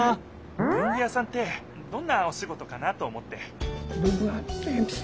文具屋さんってどんなおシゴトかなと思って。